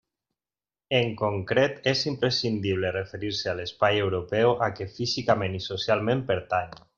En concret, és imprescindible referir-se a l'espai europeu a què físicament i socialment pertany.